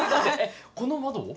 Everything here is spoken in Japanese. この窓を？